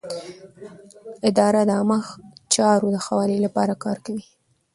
اداره د عامه چارو د ښه والي لپاره کار کوي.